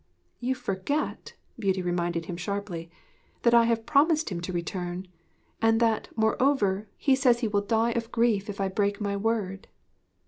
'You forget,' Beauty reminded him sharply, 'that I have promised him to return, and that, moreover, he says he will die of grief if I break my word.'